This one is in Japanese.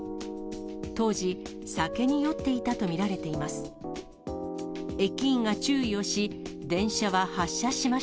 当時、酒に酔っていたと見られています。